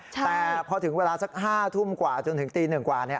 แต่พอถึงเวลาสัก๕ทุ่มกว่าจนถึงตี๑กว่า